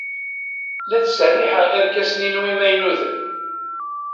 La ttserriḥeɣ irkasen-inu imaynuten.